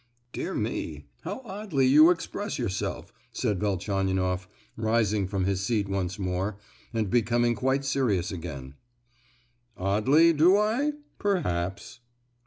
"Dear me, how oddly you express yourself!" said Velchaninoff, rising from his seat once more, and becoming quite serious again. "Oddly, do I? Perhaps."